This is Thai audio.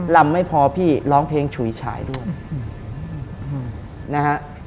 ลำไม่พอพี่ร้องเพลงฉุยฉายด้วยนะฮะ